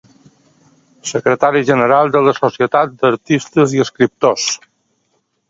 Secretari General de la Societat d'Artistes i Escriptors…